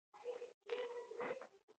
نږدې دی.